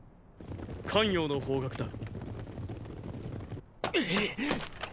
咸陽の方角だ。